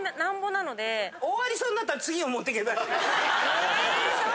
え！